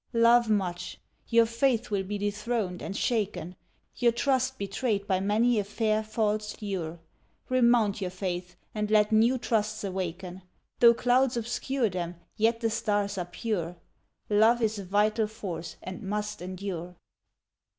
Love much. Your faith will be dethroned and shaken, Your trust betrayed by many a fair, false lure. Remount your faith, and let new trusts awaken. Though clouds obscure them, yet the stars are pure; Love is a vital force and must endure.